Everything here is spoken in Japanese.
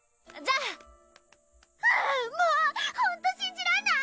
あぁもうほんとしんじらんない！